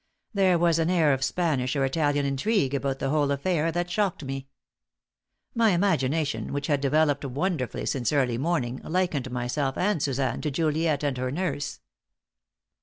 There was an air of Spanish or Italian intrigue about the whole affair that shocked me. My imagination, which had developed wonderfully since early morning, likened myself and Suzanne to Juliet and her nurse.